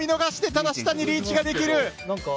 ただ、下にリーチができる。